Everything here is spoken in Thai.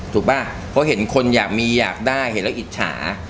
พูดถึงมีคนอยากแล้วก็อิจฉา